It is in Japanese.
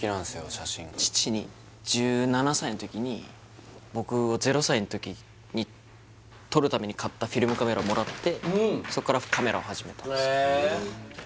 写真父に１７歳の時に僕ゼロ歳の時に撮るために買ったフィルムカメラもらってそっからカメラを始めたんですよへえ